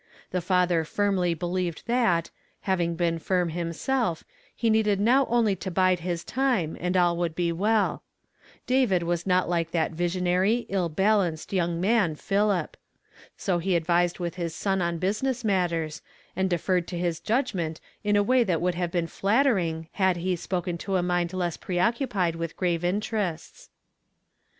The father firmly believed that, having been firm himself, he needed now only to bide his time, and all would be well. David was not like that visionary, ill balanced "give us help from trouble." 259 young man, Philip. So he advised witli his son on business matters, and deferred to his judgment in a way tliat would have been flattering had he spoken to a mind less preoccupied with grave in terests.